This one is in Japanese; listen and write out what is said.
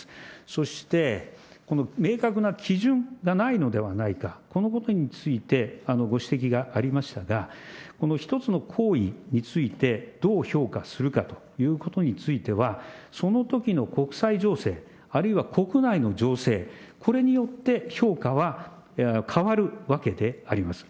そして、この明確な基準がないのではないか、このことについて、ご指摘がありましたが、この一つの行為について、どう評価するかということについては、そのときの国際情勢、あるいは国内の情勢、これによって評価は変わるわけであります。